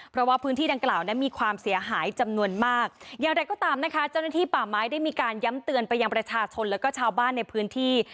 เพราะว่าพื้นที่ดังกล่าวนั้นมีความเสียหายจำนวนมากอย่างไรก็ตามนะคะเจ้าหน้าที่ป่าไม้ได้มีการย้ำเตือนไปยังประชาชนแล้วก็ชาวบ้านในพื้นที่